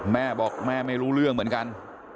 แม่บอกแม่ไม่รู้เรื่องเหมือนกัน